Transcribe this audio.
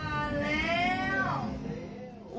มาแล้ว